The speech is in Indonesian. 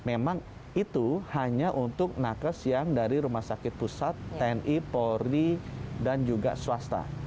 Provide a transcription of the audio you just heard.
memang itu hanya untuk nakes yang dari rumah sakit pusat tni polri dan juga swasta